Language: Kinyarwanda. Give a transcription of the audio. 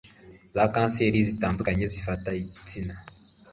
za Kanseri zitandukanye zifata igitsina